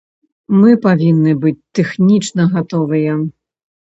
Мы павінны быць тэхнічна гатовыя.